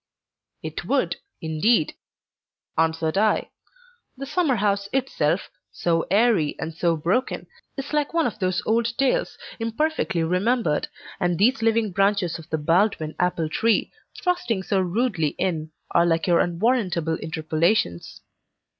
"It would, indeed," answered I. "The summer house itself, so airy and so broken, is like one of those old tales, imperfectly remembered; and these living branches of the Baldwin apple tree, thrusting so rudely in, are like your unwarrantable interpolations.